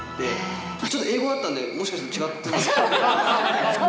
ちょっと英語だったんで、もしかしたら違ったかも。